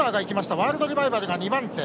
ワールドリバイバルが２番手。